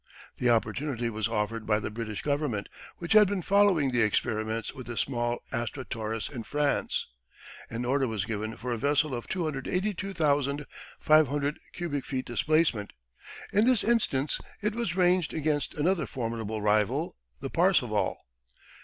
The opportunity was offered by the British Government, which had been following the experiments with the small Astra Torres in France. An order was given for a vessel of 282,500 cubic feet displacement; in this instance it was ranged against another formidable rival the Parseval.